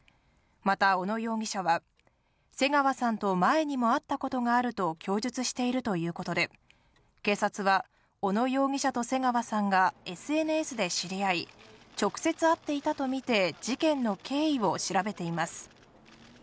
また小野容疑者は、瀬川さんと前にも会ったことがあると供述しているということで、警察は小野容疑者と瀬川さんがＳＮＳで知り合い、直接会っていたとみて事件の経緯を調べています。